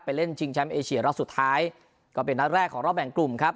ไปเล่นแล้วสุดท้ายก็เป็นนัดแรกของรอบแบ่งกลุ่มครับ